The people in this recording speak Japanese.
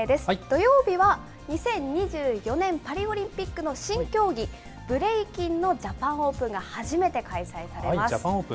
土曜日は２０２４年パリオリンピックの新競技、ブレイキンのジャパンオープンが初めて開催されます。